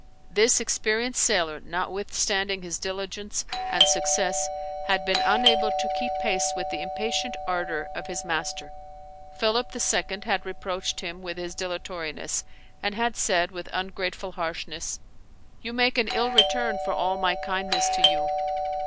This experienced sailor, notwithstanding his diligence and success, had been unable to keep pace with the impatient ardour of his master. Philip II. had reproached him with his dilatoriness, and had said with ungrateful harshness, "You make an ill return for all my kindness to you."